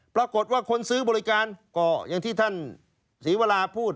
ปรากฏว่าคนซื้อบริการก็อย่างที่ท่านศรีวราพูด